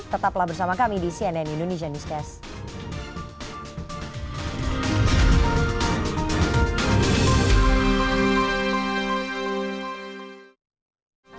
tetaplah bersama kami di cnn indonesia newscast